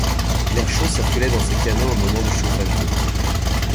L’air chaud circulait dans ces canaux au moment du chauffage d’eau.